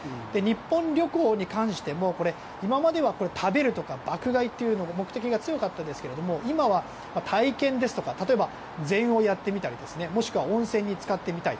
日本旅行に関しても今までは食べるとか爆買いという目的が強かったですが今は体験ですとか例えば禅をやってみたりもしくは温泉につかってみたり。